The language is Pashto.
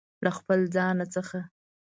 له خپل ځانه څخه